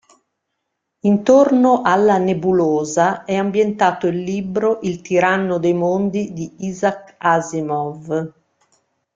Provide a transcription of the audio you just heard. Intorno alla Nebulosa è ambientato il libro Il tiranno dei mondi di Isaac Asimov.